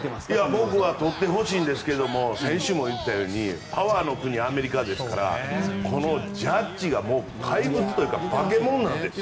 僕は取ってほしいんですけど先週も言ったようにパワーの国アメリカですからこのジャッジが怪物というか化け物なんです。